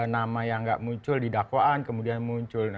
nama yang gak muncul di dakwaan kemudian muncul